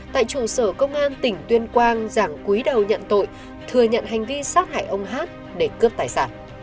tại trụ sở công an tỉnh tuyên quang giảng quý đầu nhận tội thừa nhận hành vi sát hại ông hát để cướp tài sản